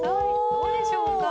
どうでしょうか？